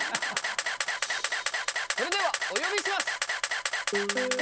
それではお呼びします！